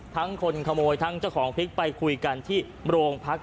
คนขโมยทั้งเจ้าของพริกไปคุยกันที่โรงพัก